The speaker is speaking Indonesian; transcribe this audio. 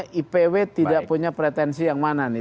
karena ipw tidak punya pretensi yang mana nih